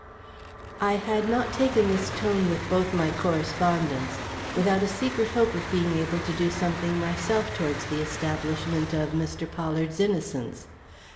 I had not taken this tone with both my correspondents without a secret hope of being able to do something myself towards the establishment of Mr. Pollard's innocence.